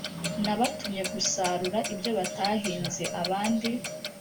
nabatumye gusarura ibyo mutahinze abandi